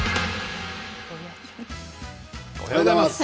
おはようございます。